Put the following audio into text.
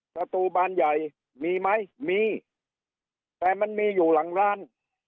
ประตูบานใหญ่มีไหมมีแต่มันมีอยู่หลังร้าน